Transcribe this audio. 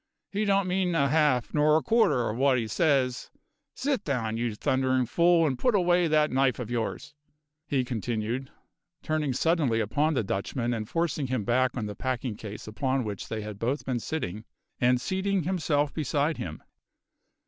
He don't mean a half nor a quarter of what 'e says sit down, you thunderin' fool, and put away that knife of yours," he continued, turning suddenly upon the Dutchman and forcing him back on the packing case upon which they had both been sitting, and seating himself beside him.